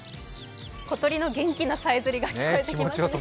小鳥の元気なさえずりが聞こえています。